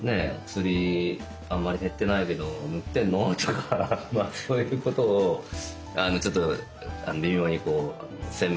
「薬あんまり減ってないけど塗ってんの？」とかそういうことをちょっと微妙にこう洗面所でチェックしてます。